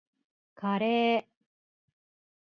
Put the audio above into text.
カレー